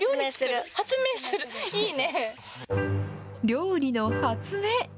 料理の発明。